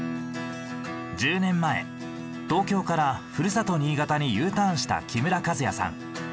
１０年前東京からふるさと新潟にＵターンした木村和也さん。